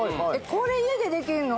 これ家でできるの？